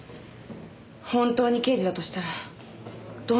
本当に刑事だとしたらどうなるんでしょう。